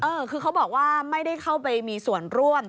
เออคือเขาบอกว่าไม่ได้เข้าไปมีส่วนร่วม